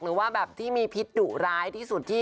หรือว่าแบบที่มีพิษดุร้ายที่สุดที่